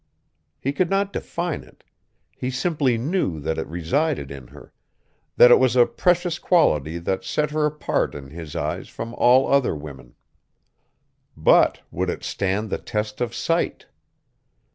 He could not define it; he simply knew that it resided in her, that it was a precious quality that set her apart in his eyes from all other women. But would it stand the test of sight?